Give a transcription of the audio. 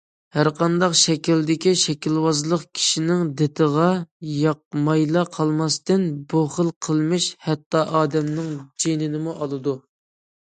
ھەرقانداق شەكىلدىكى شەكىلۋازلىق كىشىنىڭ دىتىغا ياقمايلا قالماستىن، بۇ خىل قىلمىش ھەتتا ئادەمنىڭ جېنىنىمۇ ئالىدۇ.